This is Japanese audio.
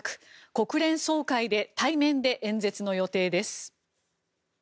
国連総会で対面で演説の予定です。